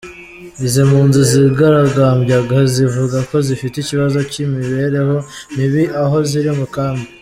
Izi mpunzi zigaragambyaga zivuga ko zifite ikibazo cy’ imibereho mibi aho ziri mu kambi.